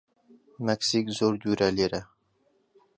مەکسیک زۆر دوورە لێرە.